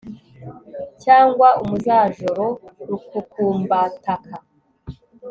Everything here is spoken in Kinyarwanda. cyangwa umuzajoro rukukumbataka